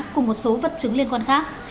cùng một số vật chứng liên quan khác